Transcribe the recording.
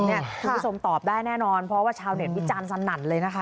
คุณผู้ชมตอบได้แน่นอนเพราะว่าชาวเน็ตวิจารณ์สนั่นเลยนะคะ